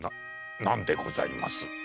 何でございます？